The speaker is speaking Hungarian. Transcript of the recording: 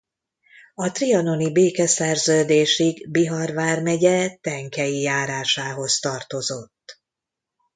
A trianoni békeszerződésig Bihar vármegye Tenkei járásához tartozott.